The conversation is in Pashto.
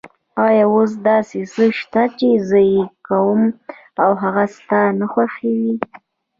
آیا اوس داسې څه شته چې زه یې کوم او هغه ستا ناخوښه وي؟